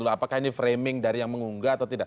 apakah ini framing dari yang mengunggah atau tidak